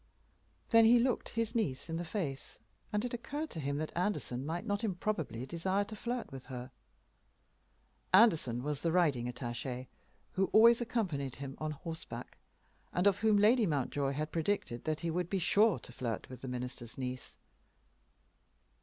Then he looked his niece in the face, and it occurred to him that Anderson might not improbably desire to flirt with her. Anderson was the riding attaché, who always accompanied him on horseback, and of whom Lady Mountjoy had predicted that he would be sure to flirt with the minister's niece.